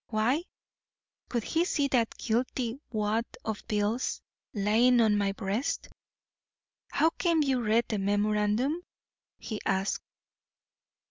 Why? Could he see that guilty wad of bills lying on my breast? 'How came you to read the memorandum?' he asked.